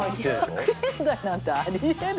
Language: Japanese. ２００円台なんてあり得る？